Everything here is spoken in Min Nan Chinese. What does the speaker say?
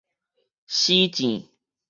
死諍